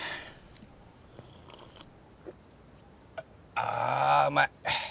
・ああうまい。